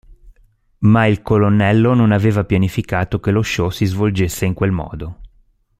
Ma il Colonnello non aveva pianificato che lo show si svolgesse in quel modo.